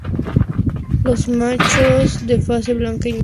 Los machos de fase blanca y negra, tienen las partes inferiores blancas.